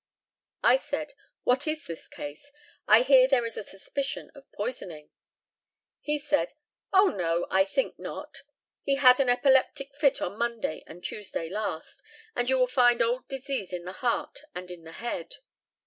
I said, "What is this case? I hear there is a suspicion of poisoning." He said, "Oh, no; I think not. He had an epileptic fit on Monday and Tuesday last, and you will find old disease in the heart and in the head."